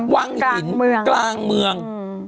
วังหินกลางเมือง